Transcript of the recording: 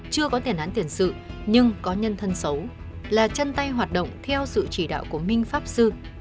chưa có tiền án tiền sự nhưng có nhân thân xấu là chân tay hoạt động theo sự chỉ đạo của minh pháp sư